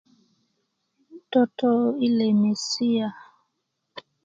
'n toto i lemesia